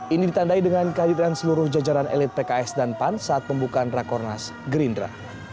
ini ditandai dengan kehadiran seluruh jajaran elit pks dan pan saat pembukaan rakornas gerindra